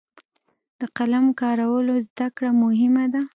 د قلم کارولو زده کړه مهمه ده.